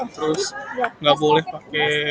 terus gak boleh pakai